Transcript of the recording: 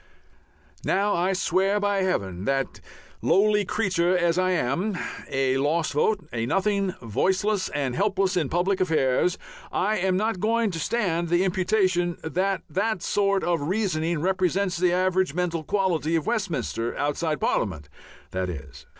Now, I swear by Heaven that, lowly creature as I am, a lost vote, a nothing, voiceless and helpless in public affairs, I am not going to stand the imputation that that sort of reasoning represents the average mental quality of Westminster outside Parliament, that is.